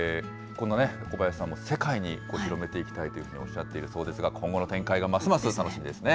この小林さんも世界に広めていきたいというふうにおっしゃっているそうですが、今後の展開がますます楽しみですね。